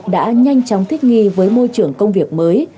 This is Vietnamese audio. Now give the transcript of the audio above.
đã nhanh chóng thích nghi với môi trường công việc mới